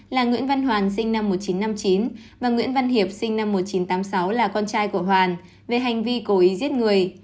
là nguyễn văn hoàn sinh năm một nghìn chín trăm năm mươi chín và nguyễn văn hiệp sinh năm một nghìn chín trăm tám mươi sáu là con trai của hoàn về hành vi cố ý giết người